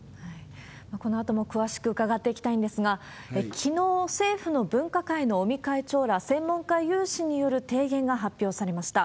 このあとも詳しく伺っていきたいんですが、きのう、政府の分科会の尾身会長ら専門家有志による提言が発表されました。